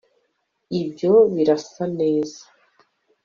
Ibyo birasa neza